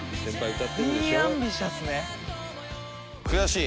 「悔しい。